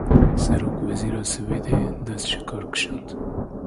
Serokwezîra Swêdê dest ji kar kişand.